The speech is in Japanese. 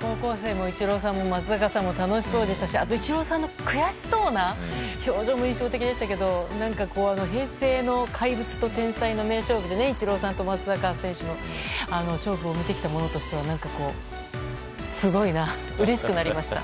高校生もイチローさんも松坂さんも楽しそうでしたしイチローさんの悔しそうな表情も印象的でしたが何か平成の怪物と天才の名勝負でイチローさんと松坂さんの勝負を勝負を見てきた者としてはすごいなとうれしくなりましたね。